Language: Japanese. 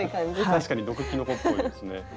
確かに毒きのこっぽいですね。